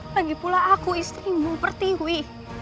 lagi pula aku istrimu pertiwi